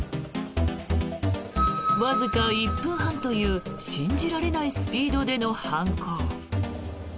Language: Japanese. わずか１分半という信じられないスピードでの犯行。